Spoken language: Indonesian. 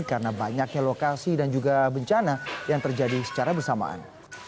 karena banyaknya lokasi dan juga bencana yang terjadi secara bersamaan